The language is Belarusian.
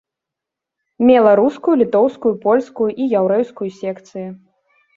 Мела рускую, літоўскую, польскую і яўрэйскую секцыі.